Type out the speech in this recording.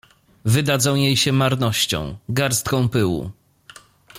Wydadzą jej się marnością, garstką pyłu…